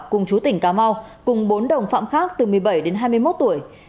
cùng chú tỉnh cà mau cùng bốn đồng phạm khác từ một mươi bảy đến hai mươi một tuổi